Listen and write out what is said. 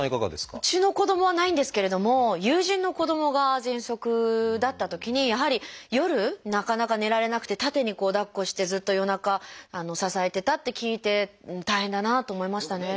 うちの子どもはないんですけれども友人の子どもがぜんそくだったときにやはり夜なかなか寝られなくて縦にこうだっこしてずっと夜中支えてたって聞いて大変だなと思いましたね。